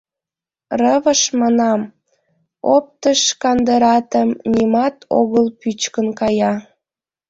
— Рывыж, — манам, — оптыш кандыратым нимат огыл пӱчкын кая.